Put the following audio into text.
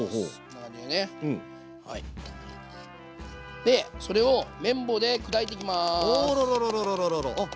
でそれを麺棒で砕いていきます。